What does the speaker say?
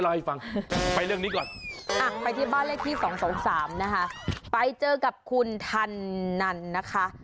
วัน๓นะคะป้ายเจอกับคุณธันนั่นนะคะ